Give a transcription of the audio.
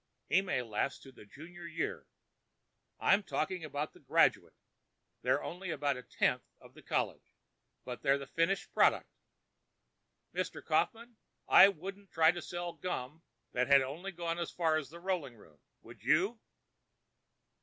He may last to the junior year. I'm talking about the graduate—they're only about a tenth of the college. But they're the finished product. Mr. Kaufmann, you wouldn't try to sell gum that had only gone as far as the rolling room, would you?"